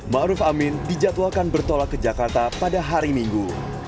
ma'ruf amin dijadwakan bertolak ke jakarta pada hari minggu